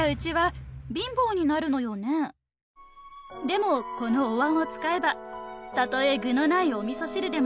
でもこのお椀を使えばたとえ。